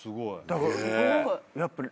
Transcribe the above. だからやっぱり。